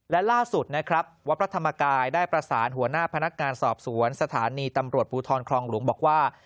และล่าสุดนะครับวัดพระธรรมกายได้ประสานหัวหน้าพนักงานสอบสวนสถานีตำรวจภูทรคลองหลวงบอกว่า